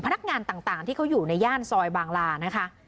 พนักงานต่างที่เขาอยู่ในย่านซอยบางลานะคะ